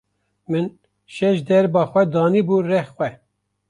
Min şejderba xwe danî bû rex xwe.